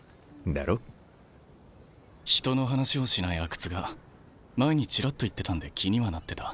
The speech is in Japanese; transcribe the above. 人の話をしない阿久津が前にチラッと言ってたんで気にはなってた。